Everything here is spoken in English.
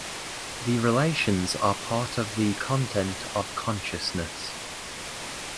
The relations are part of the content of consciousness.